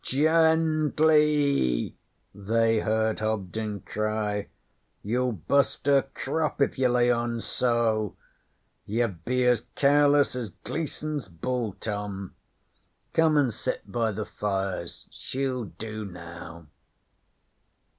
'Gently!' they heard Hobden cry. 'You'll bust her crop if you lay on so. You be as careless as Gleason's bull, Tom. Come an' sit by the fires. She'll do now.'